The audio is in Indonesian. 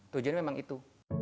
tujuan memang itu